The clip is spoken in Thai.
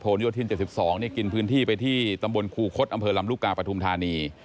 โยธิน๗๒กินพื้นที่ไปที่ตำบลครูคดอำเภอลำลูกกาปฐุมธานี